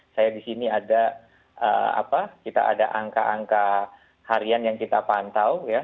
saya di sini ada kita ada angka angka harian yang kita pantau ya